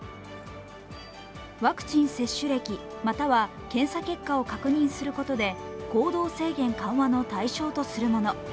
ワクチン接種歴または検査結果を確認することで行動制限緩和の対象とするもの。